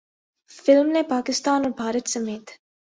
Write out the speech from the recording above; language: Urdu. فلم نے پاکستان اور بھارت سمیت